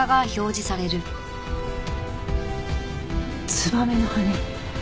ツバメの羽根。